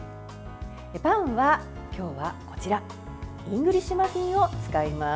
パンは今日はこちらイングリッシュマフィンを使います。